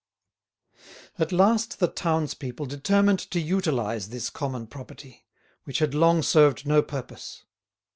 At last the townspeople determined to utilise this common property, which had long served no purpose.